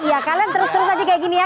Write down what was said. iya kalian terus terus aja kayak gini ya